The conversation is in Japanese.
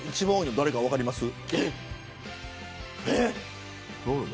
誰か分かりますか。